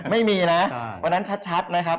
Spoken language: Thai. ไม่มีนะวันนั้นชัดนะครับ